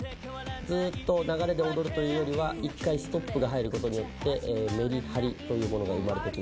ずっと流れで踊るというよりは一回ストップが入る事によってメリハリというものが生まれてきますね。